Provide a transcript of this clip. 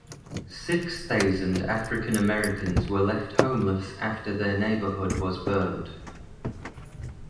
Six thousand African-Americans were left homeless after their neighborhood was burned.